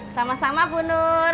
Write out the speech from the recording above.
sama sama bu nur